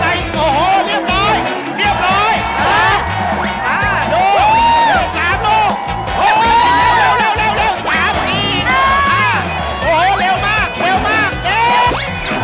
หยุดแล้ว